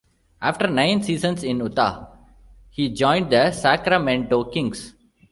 After nine seasons in Utah, he joined the Sacramento Kings.